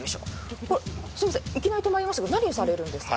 いきなり止まりましたけど何をされるんですか？